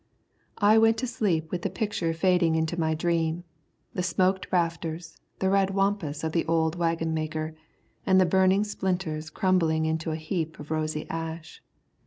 I went to sleep with the picture fading into my dream, the smoked rafters, the red wampus of the old waggon maker, and the burning splinters crumbling into a heap of rosy ash.